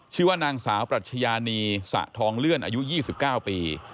ชื่อว่านางสาวปรัชญานีสะทองเลื่อนอายุ๒๙ปี